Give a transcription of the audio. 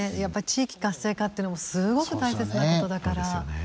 地域活性化っていうのもすごく大切なことだから。